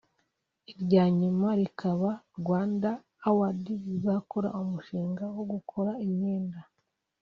irya nyuma rikaba ‘Rwanda a word’ rizakora umushinga wo gukora imyenda